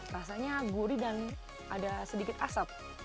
rasanya gurih dan ada sedikit asap